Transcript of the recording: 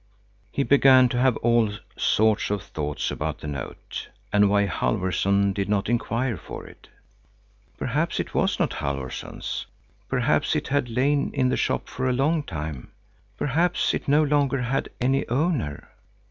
He began to have all sorts of thoughts about the note, and why Halfvorson did not inquire for it. Perhaps it was not Halfvorson's? Perhaps it had lain in the shop for a long time? Perhaps it no longer had any owner?